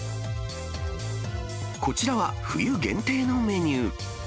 こちらは冬限定のメニュー。